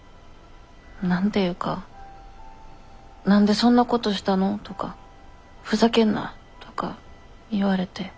「何でそんなことしたの？」とか「ふざけんな」とか言われて。